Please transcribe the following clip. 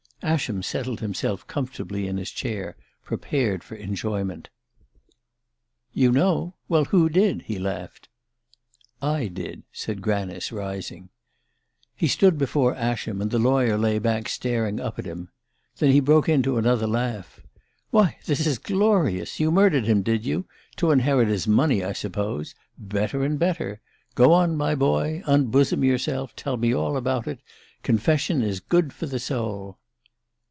Ascham settled himself comfortably in his chair, prepared for enjoyment. "You know? Well, who did?" he laughed. "I did," said Granice, rising. He stood before Ascham, and the lawyer lay back staring up at him. Then he broke into another laugh. "Why, this is glorious! You murdered him, did you? To inherit his money, I suppose? Better and better! Go on, my boy! Unbosom yourself! Tell me all about it! Confession is good for the soul."